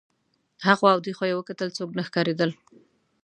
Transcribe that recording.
هخوا او دېخوا یې وکتل څوک نه ښکارېدل.